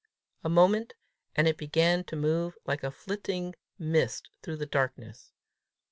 A moment, and it began to move like a flitting mist through the darkness.